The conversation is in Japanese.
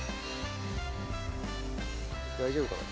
大丈夫かな？